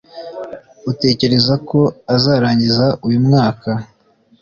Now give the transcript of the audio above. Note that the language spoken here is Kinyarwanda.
Utekereza ko azarangiza uyu mwaka?